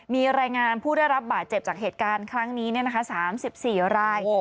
มีรายงานผู้ได้รับบาดเจ็บจากเหตุการณ์ครั้งนี้๓๔ราย